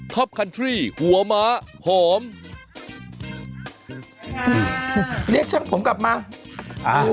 เรียกฉันผมกลับมา